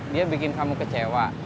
dia bikin kamu kecewa